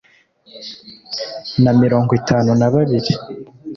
na mirongo itanu na babiri